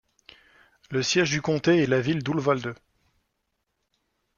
Le siège du comté est la ville d'Uvalde.